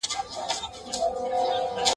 په لار کي به دي پلونه د رقیب خامخا نه وي ..